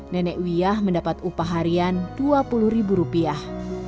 nenek wiyah mendapat upah harian dua puluh ribu rupiah